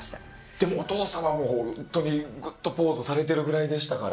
でもお父さまも本当にグッドポーズされてるぐらいでしたから。